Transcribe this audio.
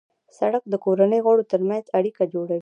سړک د کورنۍ غړو ترمنځ اړیکه جوړوي.